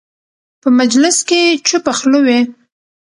په مجلس کې چوپه خوله وي.